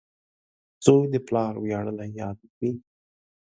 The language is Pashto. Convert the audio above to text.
• زوی د پلار ویاړلی یاد وي.